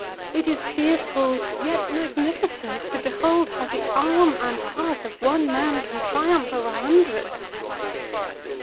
—it is fearful, yet magnificent, to behold how the arm and heart of one man can triumph over hundreds."